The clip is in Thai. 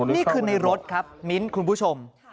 นี่คือในรถครับมิ้นท์คุณผู้ชม